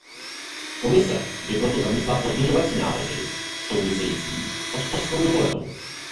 Komise by proto zamítla pozměňovací návrhy související s otcovskou dovolenou.